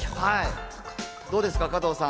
どうですか加藤さん。